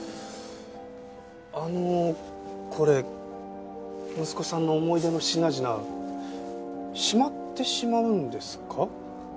あのこれ息子さんの思い出の品々しまってしまうんですか？